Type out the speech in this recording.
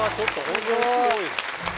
すごい。